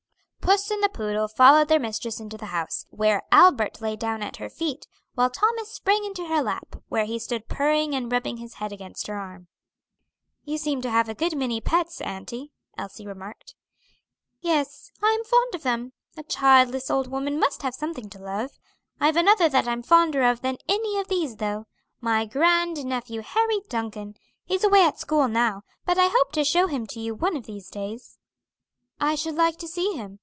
Puss and the poodle followed their mistress into the house, where Albert lay down at her feet, while Thomas sprang into her lap, where he stood purring and rubbing his head against her arm. "You seem to have a good many pets, auntie," Elsie remarked. "Yes, I am fond of them. A childless old woman must have something to love. I've another that I'm fonder of than any of these though my grand nephew, Harry Duncan. He's away at school now; but I hope to show him to you one of these days." "I should like to see him.